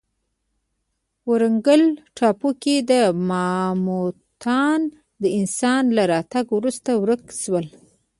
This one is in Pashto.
ورانګل ټاپو کې ماموتان د انسان له راتګ وروسته ورک شول.